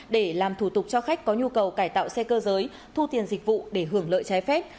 để làm thủ tục cho khách có nhu cầu cải tạo xe cơ giới thu tiền dịch vụ để hưởng lợi trái phép